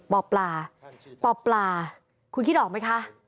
ปลาบ่อปลาคุณคิดออกไหมคะ